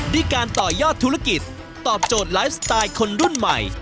ด้วยการต่อยอดธุรกิจตอบโจทย์ไลฟ์สไตล์คนรุ่นใหม่